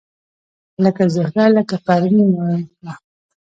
لکه زهره لکه پروین ورکړه